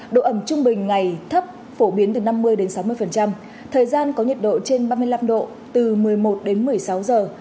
độ ẩm trung bình ngày thấp phổ biến từ năm mươi sáu mươi thời gian có nhiệt độ trên ba mươi năm độ từ một mươi một đến một mươi sáu giờ